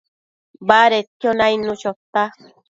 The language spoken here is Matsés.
badedquio nainnu chota